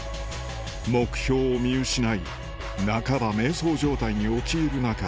目標を見失い半ば迷走状態に陥る中